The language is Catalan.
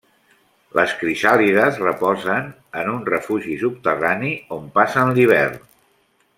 Les crisàlides reposen en un refugi subterrani, on passen l'hivern.